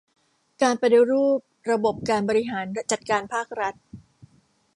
การปฏิรูประบบการบริหารจัดการภาครัฐ